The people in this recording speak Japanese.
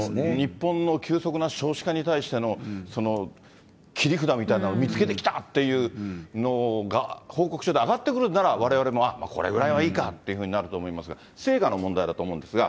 日本の急速な少子化に対しての切り札みたいなのを見つけてきたっていうのが報告書で上がってくるんならわれわれも、まあこれぐらいはいいかっていうふうになると思いますが、成果の問題だと思うんですが。